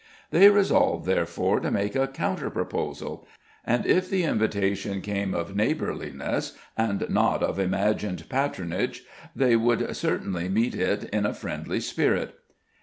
They resolved therefore to make a counter proposal; and if the invitation came of neighbourliness, and not of imagined patronage, they would certainly meet it in a friendly spirit!